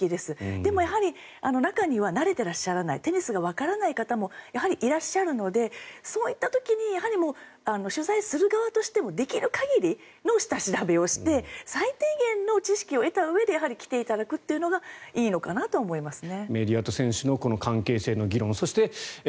でも、中には慣れていらっしゃらないテニスがわからない方もやはりいらっしゃるのでそういった時に取材する側としてもできる限りの下調べをして最低限の知識を得たうえで来ていただくというのがいいのかなとは思いますね。